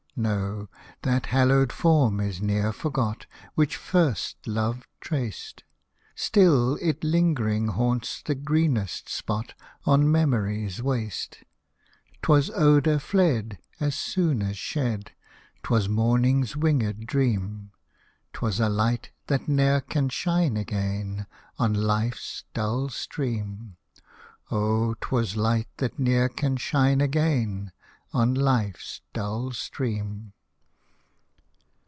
No, — that hallowed form is ne'er forgot Which first love traced ; Still it lingering haunts the greenest spot On memory's waste. 'Twas odour fled As soon as shed ; 'Twas morning's winged dream ; 'Twas a light, that ne'er can shine again On life's dull stream : Oh ! 'twas light that ne'er can shine again On life's dull stream.